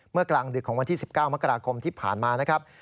กลางดึกของวันที่๑๙มกราคมที่ผ่านมานะครับ